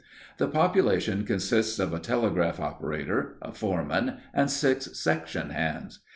The population consists of a telegraph operator, a foreman, and six section hands.